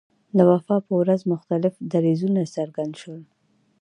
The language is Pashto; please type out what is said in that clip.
د وفات په ورځ مختلف دریځونه څرګند شول.